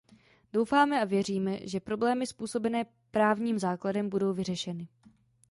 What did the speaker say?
Doufáme a věříme, že problémy způsobené právním základem budou vyřešeny.